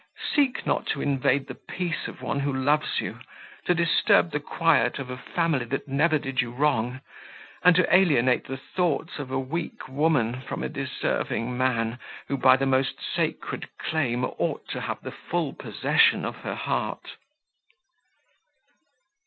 Seek not to invade the peace of one who loves you, to disturb the quiet of a family that never did you wrong, and to alienate the thoughts of a weak woman from a deserving man, who, by the most sacred claim, ought to have the full possession of her heart."